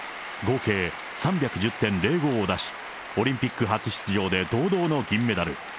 合計３１０．０５を出し、オリンピック初出場で堂々の銀メダル。